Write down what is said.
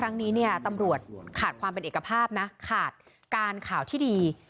ครั้งนี้เนี่ยตำรวจขาดความเป็นเอกภาพนะขาดการข่าวที่ดี